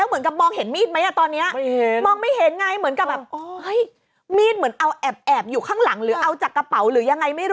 อุ้ยอ๋อเวลามั้ย